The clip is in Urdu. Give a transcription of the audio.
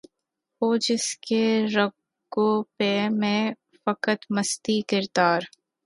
ہو جس کے رگ و پے میں فقط مستی کردار